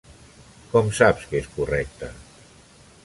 Com saps que és correcte?